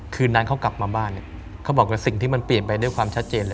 เขาบอกว่าสิ่งที่มันเปลี่ยนไปด้วยความชัดเจน